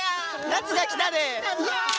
夏が来たで！